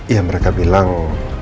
ya mereka bilang